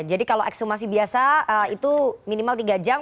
jadi kalau ekshumasi biasa itu minimal tiga jam